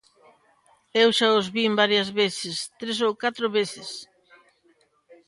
Eu xa os vin varias veces, tres ou catro veces.